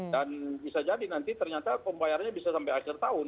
dan bisa jadi nanti ternyata pembayarannya bisa sampai akhir tahun